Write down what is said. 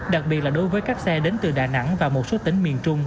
đặc biệt là đối với các xe đến từ đà nẵng và một số tỉnh miền trung